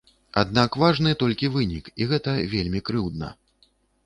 Аднак важны толькі вынік, і гэта вельмі крыўдна.